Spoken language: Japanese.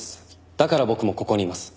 だから僕もここにいます。